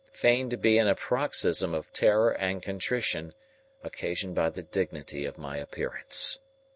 feigned to be in a paroxysm of terror and contrition, occasioned by the dignity of my appearance.